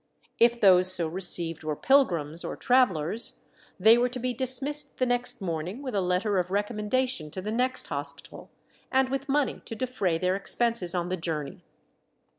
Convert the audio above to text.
If those so received were pilgrims or travellers, they were to be dismissed the next morning with a letter of recommendation to the next hospital, and with money to defray their expenses on the journey.